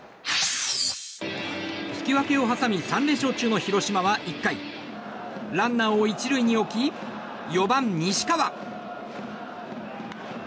引き分けを挟み３連勝中の広島は１回、ランナーを１塁に置き４番、西川。